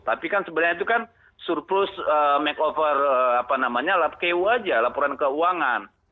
tapi kan sebenarnya itu kan surpren makeover apa namanya lap ku aja laporan keuangan